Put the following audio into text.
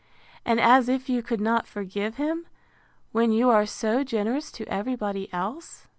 and as if you could not forgive him, when you are so generous to every body else?